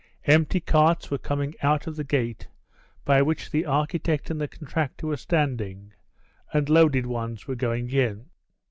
Empty carts were coming out of the gate by which the architect and the contractor were standing, and loaded ones were going in.